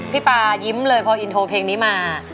ปายิ้มเลยพออินโทรเพลงนี้มา